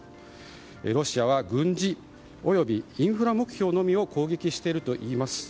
ロシアは軍事およびインフラ目標のみを攻撃しているといいます。